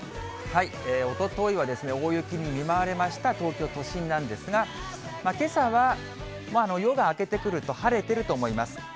おとといは大雪に見舞われました東京都心なんですが、けさは夜が明けてくると晴れてると思います。